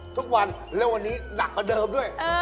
ทุกวันแล้ววันนี้หนักกว่าเดิมด้วย